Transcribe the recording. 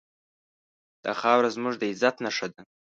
دا خاوره زموږ د عزت نښه ده.